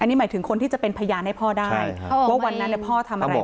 อันนี้หมายถึงคนที่จะเป็นพยานให้พ่อได้ว่าวันนั้นพ่อทำอะไร